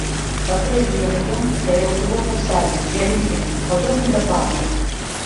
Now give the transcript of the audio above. Патрэбны яму дом стаяў глыбока ў садзе, вялікім, падобным да парку.